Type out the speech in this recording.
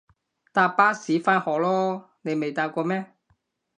搭巴士返學囉，你未搭過咩？